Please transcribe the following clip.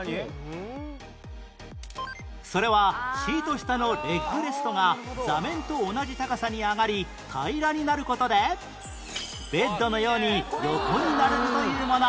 それはシート下のレッグレストが座面と同じ高さに上がり平らになる事でベッドのように横になれるというもの